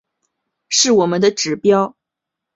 是我们的指标